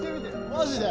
マジで？